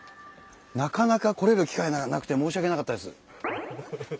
なかなか来れる機会がなくて申し訳なかったです。